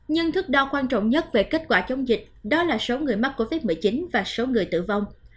nhưng thước đo quan trọng nhất về kết quả chống dịch đó là số người mắc covid một mươi chín và số người tử vong